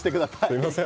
すみません。